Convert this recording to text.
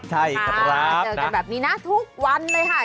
ใช่ครับมาเจอกันแบบนี้นะทุกวันเลยค่ะ